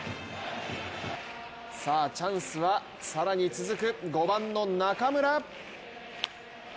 チャンスは更に続く５番の中村。